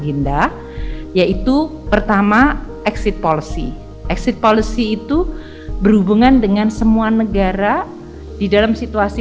hinda yaitu pertama exit policy exit policy itu berhubungan dengan semua negara di dalam situasi